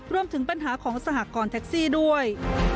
รวมถึงปัญหาของสหกรณ์แท็กซี่ด้วย